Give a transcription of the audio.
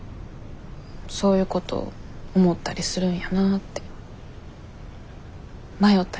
そういうこと思ったりするんやなって迷ったりするんやなって。